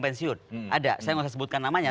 pensiun ada saya nggak usah sebutkan namanya